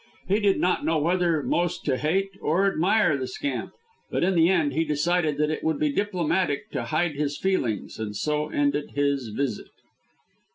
He did not know whether most to hate or admire the scamp; but in the end he decided that it would be diplomatic to hide his feelings, and so ended his visit.